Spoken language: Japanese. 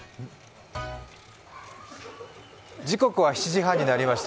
時刻は７時半になりました。